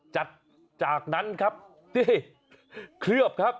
จัดจากนั้นครับนี่เคลือบครับ